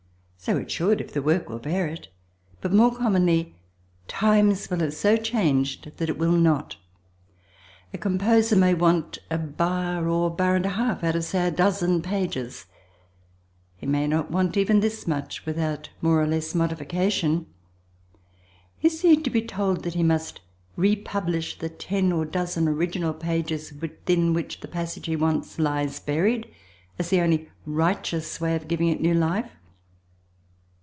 So it should, if the work will bear it; but more commonly times will have so changed that it will not. A composer may want a bar, or bar and a half, out of, say, a dozen pages—he may not want even this much without more or less modification—is he to be told that he must republish the ten or dozen original pages within which the passage he wants lies buried, as the only righteous way of giving it new life?